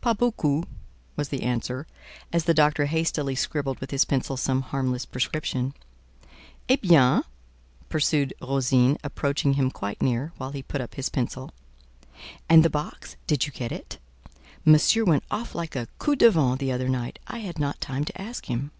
"Pas beaucoup," was the answer, as the doctor hastily scribbled with his pencil some harmless prescription. "Eh bien!" pursued Rosine, approaching him quite near, while he put up his pencil. "And the box—did you get it? Monsieur went off like a coup de vent the other night; I had not time to ask him."